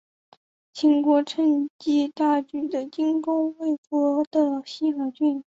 秦国趁机大举的进攻魏国的西河郡。